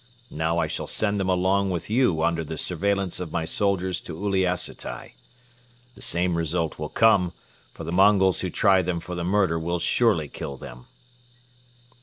Now I shall send them along with you under the surveillance of my soldiers to Uliassutai. The same result will come, for the Mongols who try them for the murder will surely kill them."